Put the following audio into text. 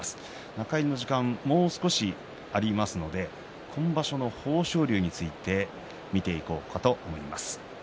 中入りの時間も少しありますので今場所の豊昇龍について見ていこうと思います。